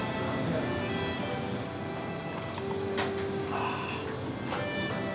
ああ。